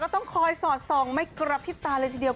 ต้องคอยสอดส่องไม่กระพริบตาเลยทีเดียว